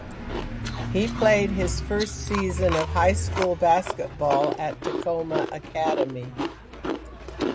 He played his first season of high school basketball at Takoma Academy.